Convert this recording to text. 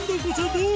どう？